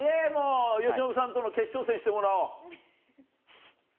由伸さんとの決勝戦してもらおう。